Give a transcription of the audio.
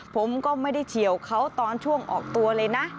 ผมก็ไม่ได้เฉียวเขาตอนช่วงออกตัวเลยนะ